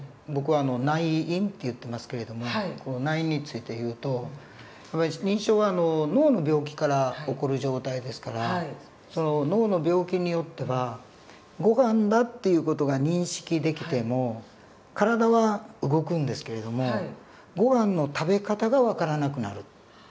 僕は内因って言ってますけれども内因について言うと認知症は脳の病気から起こる状態ですから脳の病気によってはごはんだっていう事が認識できても体は動くんですけれどもごはんの食べ方が分からなくなる。